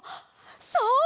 そう！